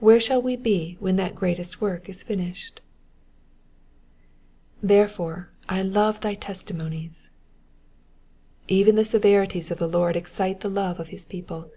Where shall we be when that great work is finished ? ''''Therefore I love thy testimonies^ Even the severities of the Lord excite the love of his people.